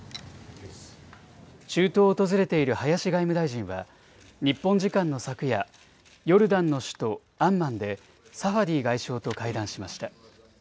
中東を訪れている林外務大臣は日本時間の昨夜、ヨルダンの首都アンマンでサファディ外相と会談しました。